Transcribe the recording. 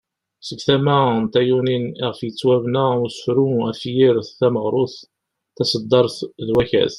Seg tama n tayunin iɣef yettwabena usefru, afyir, tameɣrut ,taseddart ,d wakat.